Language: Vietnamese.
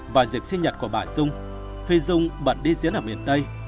vào dịp sinh nhật của bà dung phi nhung bận đi diễn ở miền tây